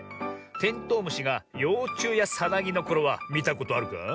テントウムシがようちゅうやさなぎのころはみたことあるか？